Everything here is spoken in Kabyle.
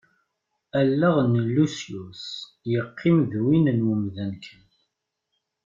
Allaɣ n Lusyus yeqqim d win n wemdan kan.